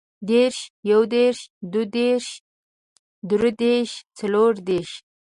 دېرش، يودېرش، دوهدېرش، دريدېرش، څلوردېرش